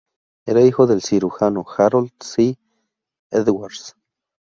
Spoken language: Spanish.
Era hijo del cirujano Harold C. Edwards.